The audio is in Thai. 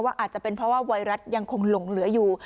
อาจจะเป็นเพราะว่าไวรัสยังคงหลงเหลืออยู่